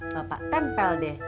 bapak tempel deh